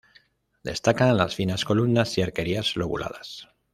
Destacan las finas columnas y arquerías lobuladas.